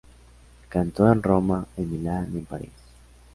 Cantó en Roma, en Milán y en París.